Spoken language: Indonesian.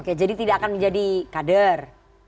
oke jadi tidak akan menjadi kader